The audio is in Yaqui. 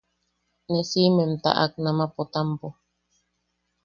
Ne siʼimem taʼak junama Potampo.